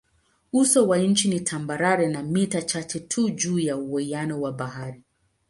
Uso wa nchi ni tambarare na mita chache tu juu ya uwiano wa bahari.